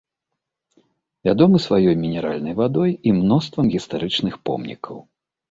Вядомы сваёй мінеральнай вадой і мноствам гістарычных помнікаў.